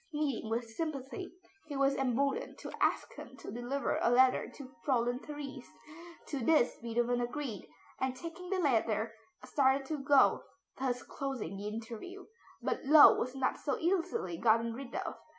Meeting with sympathy, he was emboldened to ask him to deliver a letter to Fräulein Therese. To this Beethoven agreed, and, taking the letter, started to go, thus closing the interview. But Löwe was not so easily gotten rid of.